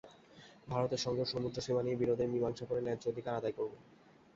ভারতের সঙ্গেও সমুদ্রসীমা নিয়ে বিরোধের মীমাংসা করে ন্যায্য অধিকার আদায় করব।